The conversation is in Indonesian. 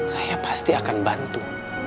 saya pasti akan bantu